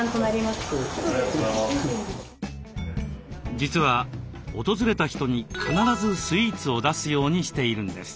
実は訪れた人に必ずスイーツを出すようにしているんです。